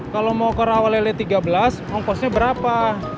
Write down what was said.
kalau mau ke rawa lele tiga belas ongkosnya berapa